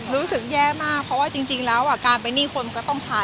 รู้สึกแย่มากเพราะว่าจริงแล้วการเป็นหนี้คนมันก็ต้องใช้